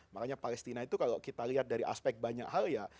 makanya palestina itu kalau kita lihat dari aspek banyak hal ya